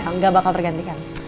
enggak bakal tergantikan